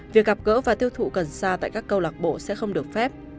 việc gặp gỡ và tiêu thụ cần xa tại các cầu lạc bộ sẽ không được phép